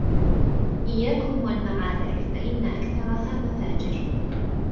إيَّاكُمْ وَالْمَعَاذِرَ فَإِنَّ أَكْثَرَهَا مَفَاجِرُ